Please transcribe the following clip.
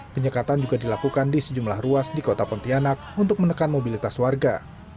penyekatan juga dilakukan di sejumlah ruas di kota pontianak untuk menekan mobilitas warga